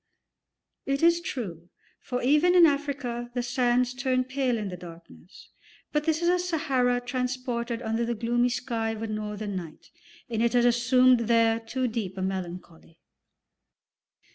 It is true, for even in Africa the sands turn pale in the darkness, but this is a Sahara transported under the gloomy sky of a northern night, and it has assumed there too deep a melancholy.